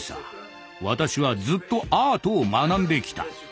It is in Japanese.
私はずっとアートを学んできた。